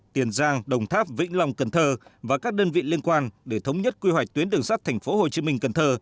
tiền giang đồng tháp vĩnh long cần thơ và các đơn vị liên quan để thống nhất quy hoạch tuyến đường sát thành phố hồ chí minh cần thơ